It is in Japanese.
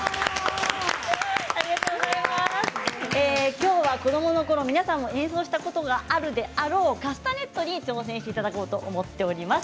きょうは子どものころ皆さんも演奏したことがあるであろうカスタネットに挑戦していただこうと思っています。